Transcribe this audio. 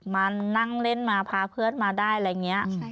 มานั่งเล่นมาพาเพื่อนมาได้อะไรอย่างนี้